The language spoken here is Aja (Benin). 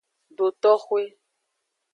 Dotoxwe.